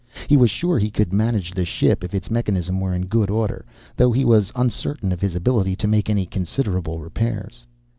He was sure he could manage the ship if its mechanism were in good order, though he was uncertain of his ability to make any considerable repairs.